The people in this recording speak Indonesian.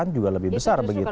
resiko juga lebih besar begitu ya